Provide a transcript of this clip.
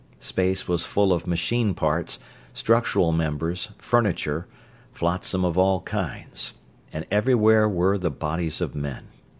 Space was full of machine parts, structural members, furniture, flotsam of all kinds; and everywhere were the bodies of men.